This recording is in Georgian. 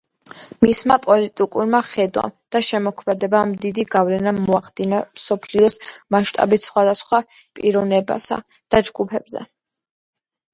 მისმა პოლიტიკურმა ხედვამ და შემოქმედებამ დიდი გავლენა მოახდინა მსოფლიო მასშტაბით სხვადასხვა პიროვნებასა და ჯგუფზე.